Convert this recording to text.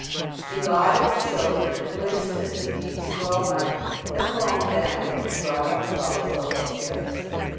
She lauded the children, and wished as indeed she well might that her own family had been brought up as well as those cherubs.